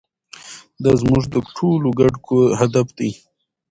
دا زموږ د ټولو ګډ هدف دی.